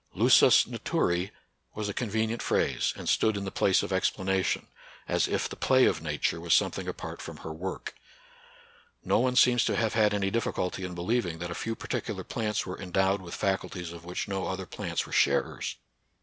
" Lusus naturae " was a convenient phrase, and stood in the place of explanation, — as if the play of Nature was something apart from her work. 20 NATURAL SCIENCE AND RELIGION. No one seems to have had any difficulty in believing that a few particular plants were en dowed with faculties of which no other plants were sharers.